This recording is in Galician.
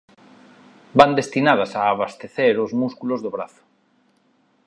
Van destinadas a abastecer os músculos do brazo.